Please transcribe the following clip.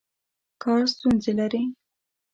کار ستونزې لري.